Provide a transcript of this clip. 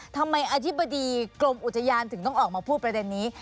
ทำไมอธิบดีกรมอุทยานถึงต้องออกมาพูดประเด็นนี้